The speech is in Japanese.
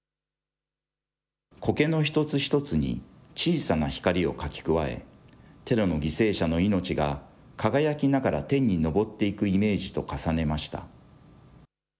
こけの一つ一つに、小さな光を描き加え、テロの犠牲者の命が、輝きながら天に昇っていくイメージと重ねました。